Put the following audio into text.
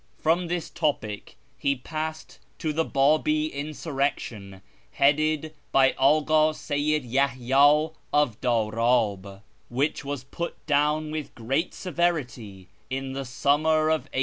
From this topic he passed to the Bcibi insurrection, headed by Aka Seyyid Yahya of Darab, which was put down with great severity in the summer of 1850.